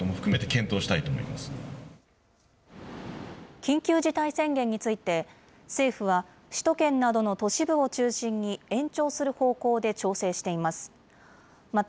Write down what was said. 緊急事態宣言について、政府は、首都圏などの都市部を中心に延長する方向で調整しています。